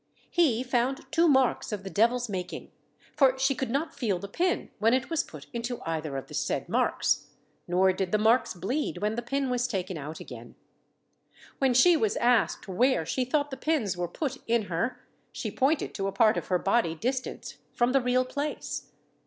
He found two marks of the devil's making; for she could not feel the pin when it was put into either of the said marks, nor did the marks bleed when the pin was taken out again. When she was asked where she thought the pins were put in her, she pointed to a part of her body distant from the real place.